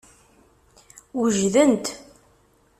Wejdent.